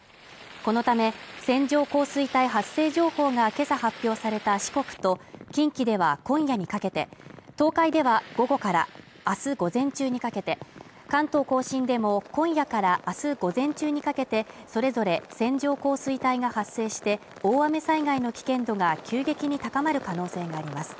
このため、線状降水帯発生情報が今朝発表された四国と近畿では今夜にかけて、東海では午後からあす午前中にかけて、関東甲信でも、今夜からあす午前中にかけてそれぞれ線状降水帯が発生して大雨災害の危険度が急激に高まる可能性があります。